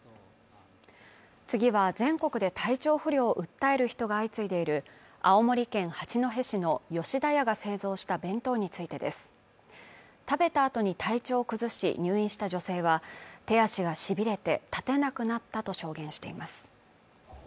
次は全国で体調不良を訴える人が相次いでいる青森県八戸市の吉田屋が製造した弁当についてです食べたあとに体調を崩し入院した女性は手足がしびれて立てなくなったと証言しています